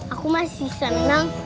aku masih senang